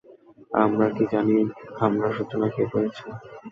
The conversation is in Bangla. আমরা কি জানি হামলার সূচনা কে করেছে?